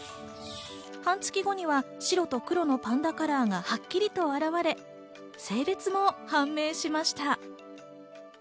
半月後には白と黒のパンダカラーがはっきりと表れ性別も判明しました。